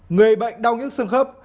người bệnh đau nhức xương khớp